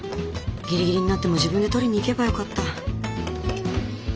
ギリギリになっても自分で取りに行けばよかった。